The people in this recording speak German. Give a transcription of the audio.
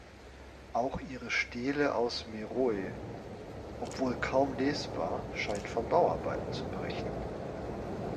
Auch ihre Stele aus Meroe, obwohl kaum lesbar, scheint von Bauarbeiten zu berichten.